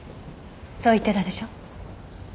そう言ってたでしょ？